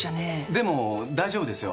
でも大丈夫ですよ。